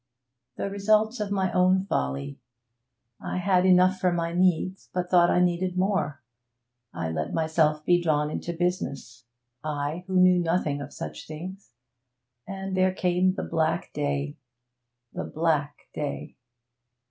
'The result of my own folly. I had enough for my needs, but thought I needed more. I let myself be drawn into business I, who knew nothing of such things and there came the black day the black day.'